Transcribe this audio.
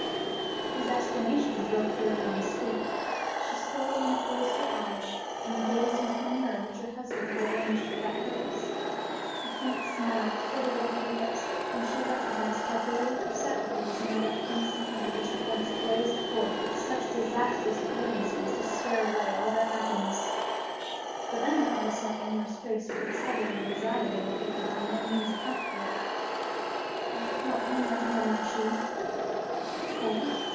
These exclamations broke Georgiana's sleep. She slowly unclosed her eyes and gazed into the mirror which her husband had arranged for that purpose. A faint smile flitted over her lips when she recognized how barely perceptible was now that crimson hand which had once blazed forth with such disastrous brilliancy as to scare away all their happiness. But then her eyes sought Aylmer's face with a trouble and anxiety that he could by no means account for. "My poor Aylmer!" murmured she. "Poor?